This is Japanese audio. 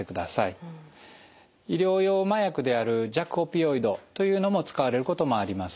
医療用麻薬である弱オピオイドというのも使われることもあります。